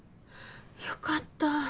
よかった。